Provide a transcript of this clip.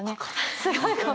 すごいこう。